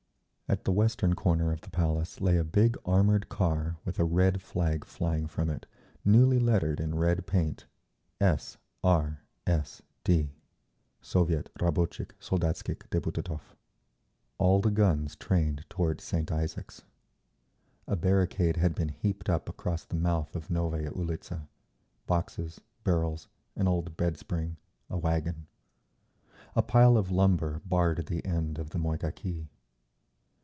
At the western corner of the Palace lay a big armoured car with a red flag flying from it, newly lettered in red paint: "S.R.S.D." (Soviet Rabotchikh Soldatskikh Deputatov); all the guns trained toward St. Isaac's. A barricade had been heaped up across the mouth of Novaya Ulitza—boxes, barrels, an old bed spring, a wagon. A pile of lumber barred the end of the Moika quay.